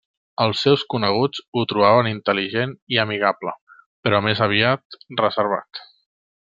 Els seus coneguts ho trobaven intel·ligent i amigable, però més aviat reservat.